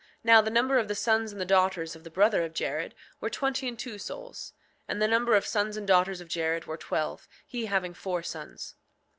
Now the number of the sons and the daughters of the brother of Jared were twenty and two souls; and the number of sons and daughters of Jared were twelve, he having four sons.